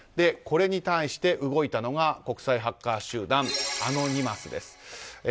これに対して、動いたのが国際ハッカー集団アノニマスです。